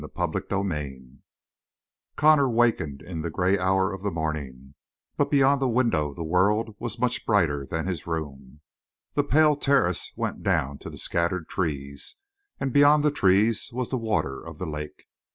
CHAPTER THIRTEEN Connor wakened in the gray hour of the morning, but beyond the window the world was much brighter than his room. The pale terraces went down to scattered trees, and beyond the trees was the water of the lake.